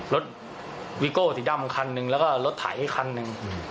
รถวิโก้ติดดำคันหนึ่งแล้วก็รถถ่ายให้คันหนึ่ง